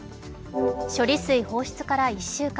処理水放出から１週間。